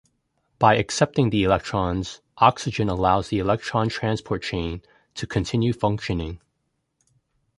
By accepting the electrons, oxygen allows the electron transport chain to continue functioning.